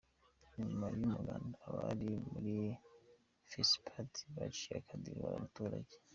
Nyuma y’umuganda, abari muri fesipadi bacinye akadiho n’abaturage